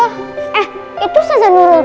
eh itu saja nurun tuh